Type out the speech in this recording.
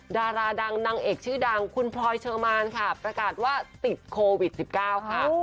ดาราดังนางเอกชื่อดังคุณพลอยเชอร์มานค่ะประกาศว่าติดโควิด๑๙ค่ะ